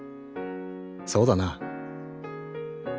そうだな！